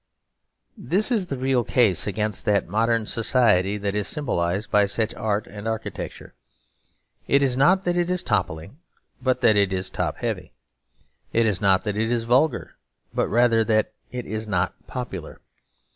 This is the real case against that modern society that is symbolised by such art and architecture. It is not that it is toppling, but that it is top heavy. It is not that it is vulgar, but rather that it is not popular.